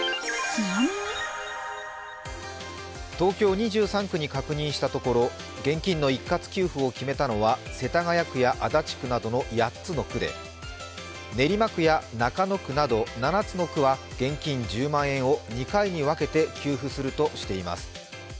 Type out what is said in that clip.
東京２３区に確認したところ現金の一括給付を決めたのは世田谷区や足立区などの８つの区で練馬区や中野区など７つの区は現金１０万円を２回に分けて給付するとしています